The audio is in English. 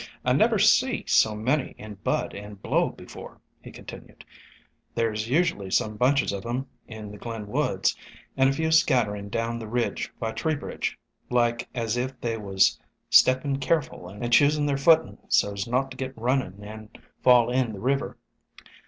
"I never see so many in bud and blow before," he continued. "There 's usu'lly some bunches of 'em in the Glen Woods, and a few scatterin* down the ridge by Tree bridge, like as if they was steppin' careful and choosin' their footin' so 's not to get runnin' and fall in the river.